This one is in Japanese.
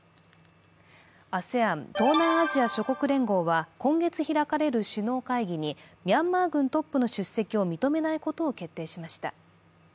ＡＳＥＡＮ＝東アジア諸国連合は、今月開かれる首脳会議にミャンマー軍トップの出席を認めないことを決定しました。